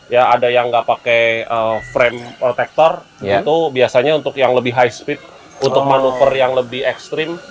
ya ada yang nggak pakai frame protector itu biasanya untuk yang lebih high speed untuk manuver yang lebih ekstrim